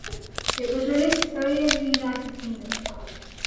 It was released only in the United Kingdom.